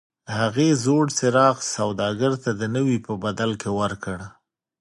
هغې زوړ څراغ سوداګر ته د نوي په بدل کې ورکړ.